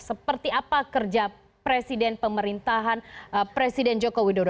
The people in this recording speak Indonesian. seperti apa kerja presiden pemerintahan presiden jokowi dodo